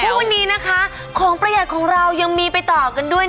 วันนี้นะคะของประหยัดของเรายังมีไปต่อกันด้วย